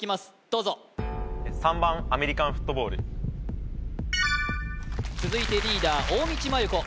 どうぞ３番アメリカンフットボール続いてリーダー・大道麻優子